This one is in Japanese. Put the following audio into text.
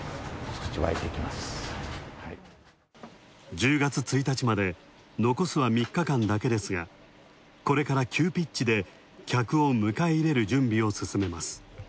１０月１日まで残すは３日間だけですが、これから急ピッチで客を迎え入れる準備を進めます。